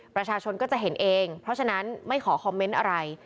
ประชาชนก็จะเห็นเองเพราะฉะนั้นไม่ขอคอมเมนต์อะไร